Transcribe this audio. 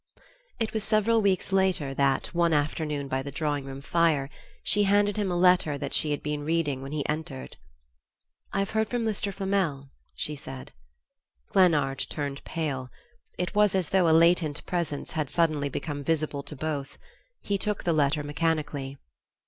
It was several weeks later that, one afternoon by the drawing room fire, she handed him a letter that she had been reading when he entered. "I've heard from Mr. Flamel," she said. Glennard turned pale. It was as though a latent presence had suddenly become visible to both. He took the letter mechanically.